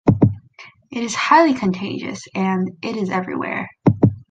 It is highly contagious, and “it is everywhere.”